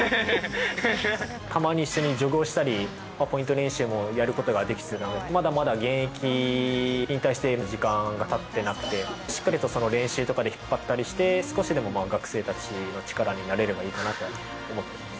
たまに一緒にジョグをしたり、ポイント練習もやることができたりするので、まだまだ現役引退して時間がたってなくて、しっかりと練習とかで引っ張ったりして、少しでも学生たちの力になれればいいかなと思っています。